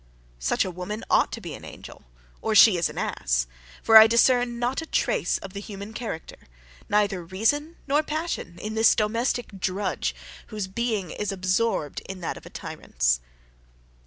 Such a woman ought to be an angel or she is an ass for I discern not a trace of the human character, neither reason nor passion in this domestic drudge, whose being is absorbed in that of a tyrant's.